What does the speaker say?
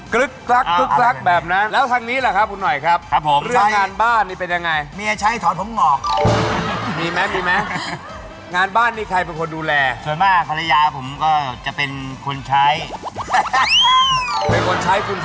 กรึ๊กกรักกรึ๊กกรักแบบนั้น